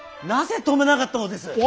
なぜ止めなかったのです！